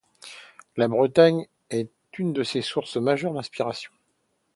La Bretagne est une de ses sources majeures d'inspiration.